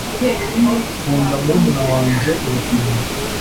nkunda murumuna wanjye ubufindo